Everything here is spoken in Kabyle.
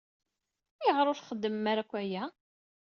Ayɣer ur txeddmem ara akk aya?